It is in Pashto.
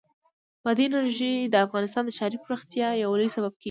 بادي انرژي د افغانستان د ښاري پراختیا یو لوی سبب کېږي.